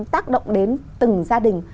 tác động đến từng gia đình